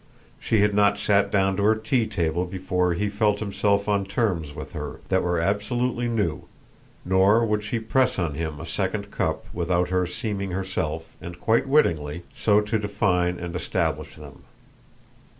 She had not sat down to her tea table before he felt himself on terms with her that were absolutely new, nor could she press on him a second cup without her seeming herself, and quite wittingly, so to define and establish them.